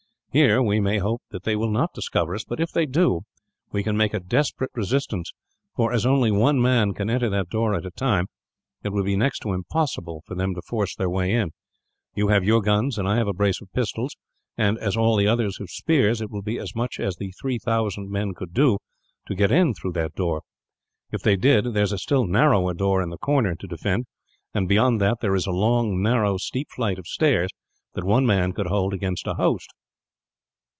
Here, we may hope that they will not discover us; but if they do we can make a desperate resistance for, as only one man can enter that door at a time, it would be next to impossible for them to force their way in. You have your guns, and I have a brace of pistols and, as all the others have spears, it will be as much as the three thousand men could do, to get in through that door. If they did, there is a still narrower door in the corner to defend; and beyond that there is a long, narrow, steep flight of stairs, that one man could hold against a host.